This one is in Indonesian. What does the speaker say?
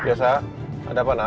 biasa ada apa nak